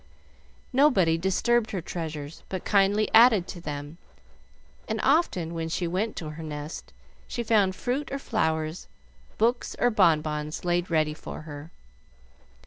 Nobody disturbed her treasures, but kindly added to them, and often when she went to her nest she found fruit or flowers, books or bon bons, laid ready for her.